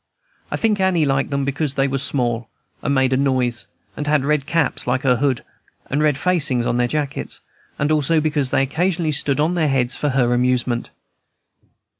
I think Annie liked them because they were small, and made a noise, and had red caps like her hood, and red facings on their jackets, and also because they occasionally stood on their heads for her amusement.